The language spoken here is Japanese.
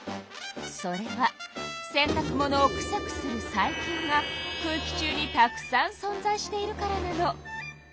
それは洗たく物をくさくする細菌が空気中にたくさんそんざいしているからなの。